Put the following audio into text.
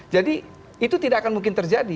jadi itu tidak akan mungkin terjadi